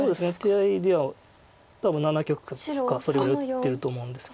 手合では多分７局かそれぐらい打ってると思うんですけど。